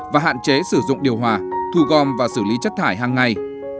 và hạn chế sử dụng điều hòa thu gom và xử lý chất thải hàng ngày